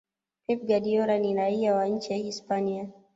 Pep Guardiola ni raia wa nchi ya Hispania